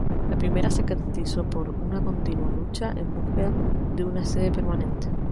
La primera se caracterizó por la continua lucha en busca de una sede permanente.